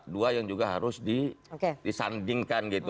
dua yang juga harus disandingkan gitu